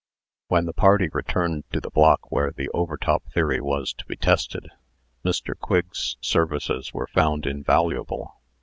When the party returned to the block where the Overtop theory was to be tested, Mr. Quigg's services were found invaluable.